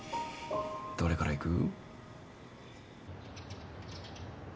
どれからいく？